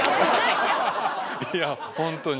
いや本当に。